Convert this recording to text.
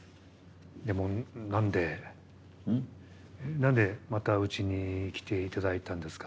なんでまたうちに来て頂いたんですか？